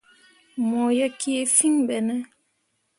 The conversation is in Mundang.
Mo ye kii fìi ɓe ne ?